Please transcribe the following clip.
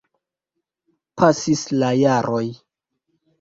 Pasis la jaroj.